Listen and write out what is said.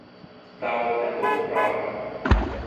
Та одне було правда.